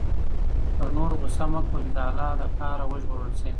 پر نورو غصه مه کوه چې د الله له قهر وژغورل شې.